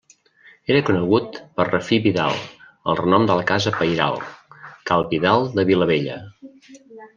Era conegut per Rafí Vidal, el renom de la casa pairal, cal Vidal de Vilabella.